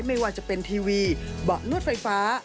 ไม่ว่าจะเป็นทีวีเบาะนวดไฟฟ้า